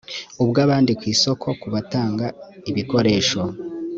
ubw abandi ku isoko ku batanga ibikoresho